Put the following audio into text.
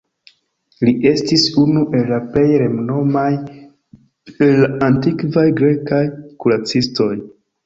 Li estis unu el la plej renomaj el la antikvaj grekaj kuracistoj.